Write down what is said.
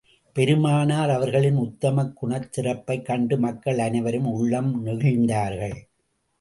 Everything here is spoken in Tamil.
பெருமானார் அவர்களின் உத்தமக் குணச் சிறப்பைக் கண்டு மக்கள் அனைவரும் உள்ளம் நெகிழ்ந்தார்கள்.